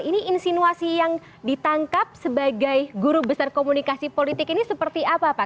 ini insinuasi yang ditangkap sebagai guru besar komunikasi politik ini seperti apa pak